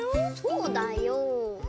そうだよ。